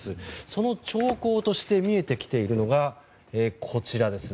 その兆候として見えてきているのがこちらです。